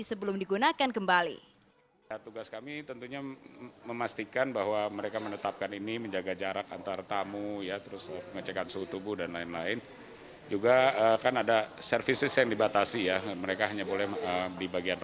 sebelum digunakan kembali